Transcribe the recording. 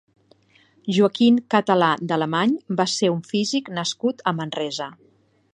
Joaquín Catalá de Alemany va ser un físic nascut a Manresa.